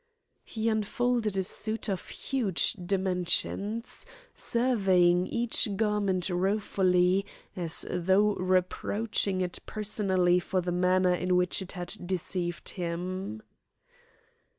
He unfolded a suit of huge dimensions, surveying each garment ruefully, as though reproaching it personally for the manner in which it had deceived him.